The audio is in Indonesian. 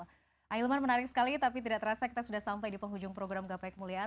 ahilman menarik sekali tapi tidak terasa kita sudah sampai di penghujung program gapai kemuliaan